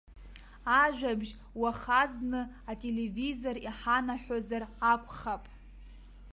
Ажәабжь уаха зны ателевизор иҳанаҳәозар акәхап.